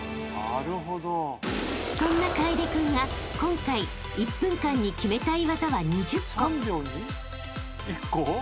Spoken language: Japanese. ［そんな楓君が今回１分間に決めたい技は２０個］